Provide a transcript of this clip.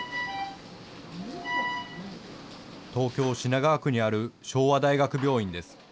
東京・品川区にある昭和大学病院です。